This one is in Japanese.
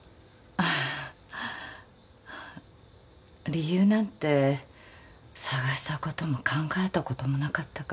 理由なんて探したことも考えたこともなかったから。